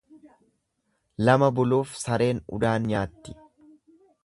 Lama buluuf sareen udaan nyaatti.